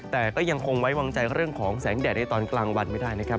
แต่ก็ยังคงไว้วางใจเรื่องของแสงแดดในตอนกลางวันไม่ได้นะครับ